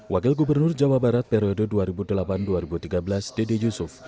wakil gubernur jawa barat periode dua ribu delapan dua ribu tiga belas dede yusuf